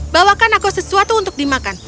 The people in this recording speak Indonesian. bawakan aku sesuatu untuk dimakan